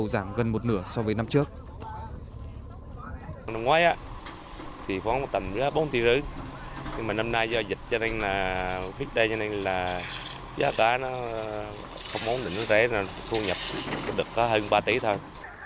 giá cá không ổn định rẽ thu nhập có hơn ba tỷ thôi